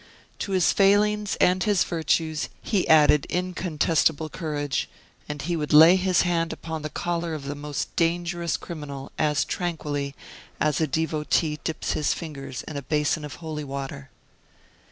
To his failings and his virtues he added incontestable courage, and he would lay his hand upon the collar of the most dangerous criminal as tranquilly as a devotee dips his fingers in a basin of holy water.